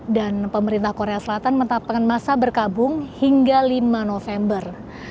dan pemerintah korea selatan menampung masa berkabung hingga lima november